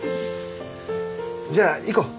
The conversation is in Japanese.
じゃあ行こう。